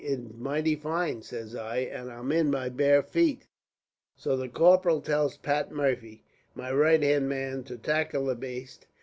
"'It's mighty fine,' says I, 'and I in my bare feet.' "So the corporal tells Pat Murphy, my right hand man, to tackle the baste.